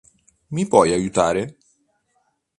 Mi può aiutare?